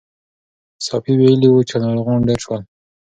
ساپی ویلي وو چې ناروغان ډېر شول.